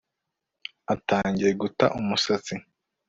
Atangiye guta umusatsi